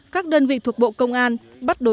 các đơn vị thuộc bộ công an bắt đối tượng